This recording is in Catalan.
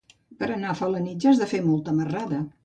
Per anar a Felanitx has de fer molta marrada.